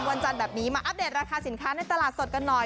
วันจันทร์แบบนี้มาอัปเดตราคาสินค้าในตลาดสดกันหน่อย